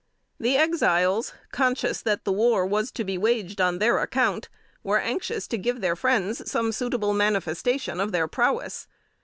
The Exiles, conscious that the war was to be waged on their account, were anxious to give their friends some suitable manifestation of their prowess.